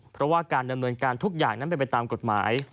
เพราะว่าการดำเนินการทุกอย่างนั้นเป็นไปตามกฎหมาย